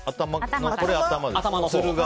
これ、頭です。